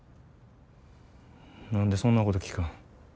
何でそんなこと聞くん。